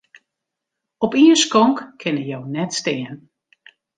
Op ien skonk kinne jo net stean.